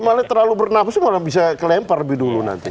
kalau terlalu bernapis orang bisa kelempar lebih dulu nanti